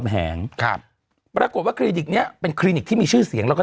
แหงอากวดว่าคอลลี่่นิกณี่เป็นคอลลี่นิกที่มีชื่อเสียงแล้วก็